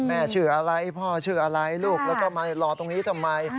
แม่ชื่ออะไรพ่อชื่ออะไรลูกแล้วก็มารอตรงนี้ทำไม